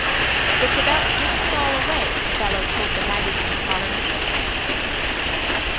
It's about giving it all away," Valo told the magazine "Modern Fix".